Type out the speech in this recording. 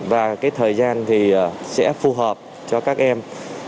và cái thời gian thì sẽ phù hợp cho các em